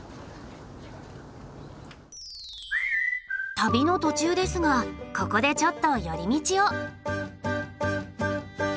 旅の途中ですがここでちょっとより道を。